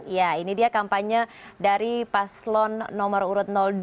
ya ini dia kampanye dari paslon nomor urut dua